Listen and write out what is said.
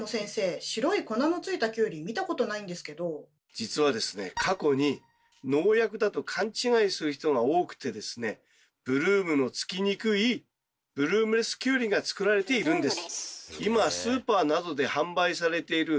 じつは過去に農薬だと勘違いする人が多くてブルームの付きにくい「ブルームレスキュウリ」が作られているんです。